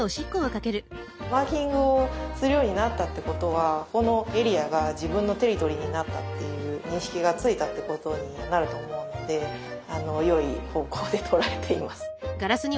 マーキングをするようになったってことはこのエリアが自分のテリトリーになったっていう認識がついたってことになると思うのでよい方向で捉えています。